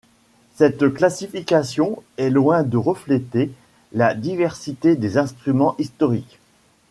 Cette classification est loin de refléter la diversité des instruments historiques.